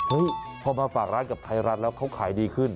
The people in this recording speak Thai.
พอมาฝากร้านกับไทยรัฐแล้วเขาขายดีขึ้น